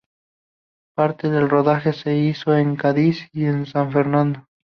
Parte del rodaje se hizo en Cádiz y en San Fernando.